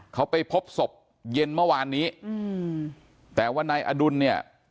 เขาไปพบศพเย็นเมื่อวานนี้อืมแต่ว่านายอดุลเนี่ย